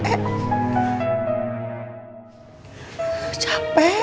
mami mau udah capek